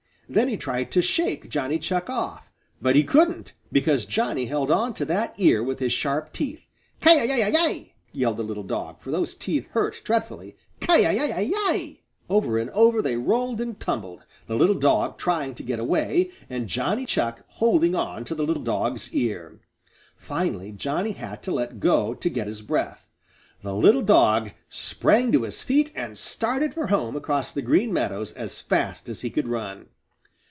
Then he tried to shake Johnny Chuck off, but he couldn't, because Johnny held on to that ear with his sharp teeth. "Kiyi yi yi yi!" yelled the little dog, for those teeth hurt dreadfully. "Kiyi yi yi yi!" Over and over they rolled and tumbled, the little dog trying to get away, and Johnny Chuck holding on to the little dog's ear. Finally Johnny had to let go to get his breath. The little dog sprang to his feet and started for home across the Green Meadows as fast as he could run.